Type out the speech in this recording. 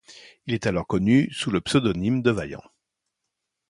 Il est alors connu sous le pseudonyme de Vaillant.